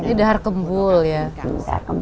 ini dahar kembul ya